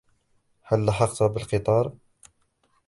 هل لحقتَ بالقطار ؟